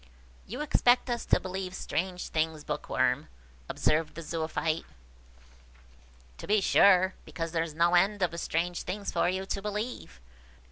"You expect us to believe strange things, Bookworm," observed the Zoophyte. "To be sure, because there is no end of strange things for you to believe!